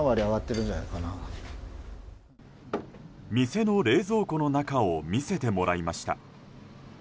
店の冷蔵庫の中を見せてもらいました。